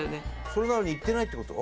それなのに行ってないってこと？